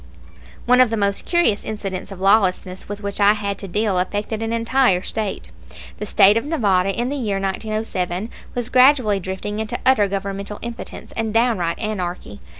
One of the most curious incidents of lawlessness with which I had to deal affected an entire State. The State of Nevada in the year 1907 was gradually drifting into utter governmental impotence and downright anarchy.